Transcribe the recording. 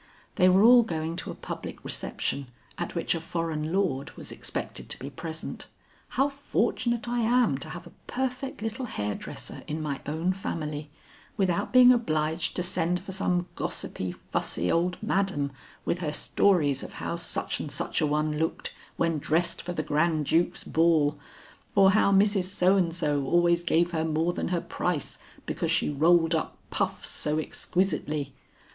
They were all going to a public reception at which a foreign lord was expected to be present. "How fortunate I am to have a perfect little hairdresser in my own family, without being obliged to send for some gossipy, fussy old Madame with her stories of how such and such a one looked when dressed for the Grand Duke's ball, or how Mrs. So and So always gave her more than her price because she rolled up puffs so exquisitely."